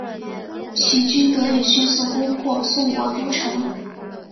齐军得以迅速攻破宋国都城。